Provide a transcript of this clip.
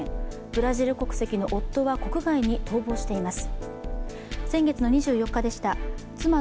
ブラジル国籍の夫は国外に逃亡しています。